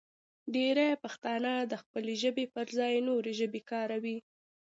ډېری پښتانه د خپلې ژبې پر ځای نورې ژبې کاروي.